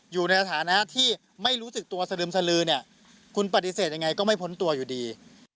อยู่ในสถานะที่ไม่รู้สึกตัวสลึมสลือเนี่ยคุณปฏิเสธยังไงก็ไม่พ้นตัวอยู่ดี